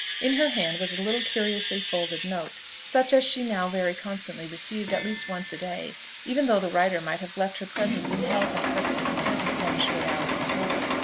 In her hand was a little curiously folded note, such as she now very constantly received at least once a day, even though the writer might have left her presence in health and perfect contentment one short hour before.